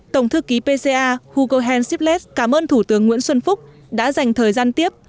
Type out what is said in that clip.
tổng thư ký pca hugo henshiplet cảm ơn thủ tướng nguyễn xuân phúc đã dành thời gian tiếp